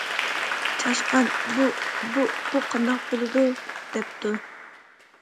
چاشقان- بۇ... بۇ... بۇ قانداق بولىدۇ دەپتۇ.